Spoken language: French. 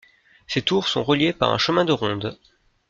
Ces tours sont reliées par un chemin de ronde.